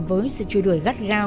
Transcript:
với sự trùi đuổi gắt gao